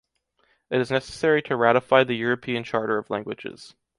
It is necessary to ratify the European Charter of languages.